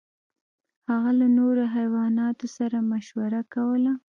هغه له نورو حیواناتو سره مشوره کوله.